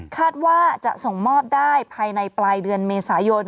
คาดว่าจะส่งมอบได้ภายในปลายเดือนเมษายน